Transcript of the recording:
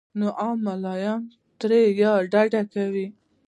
نو عام ملايان ترې يا ډډه کوي